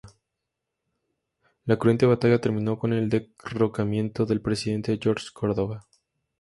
La cruenta batalla terminó con el derrocamiento del presidente Jorge Córdova.